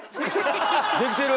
できてる！